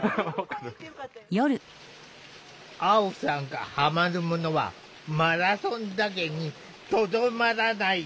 アオさんがハマるものはマラソンだけにとどまらない。